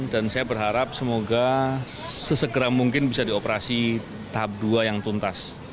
dan saya berharap semoga sesegera mungkin bisa dioperasi tahap dua yang tuntas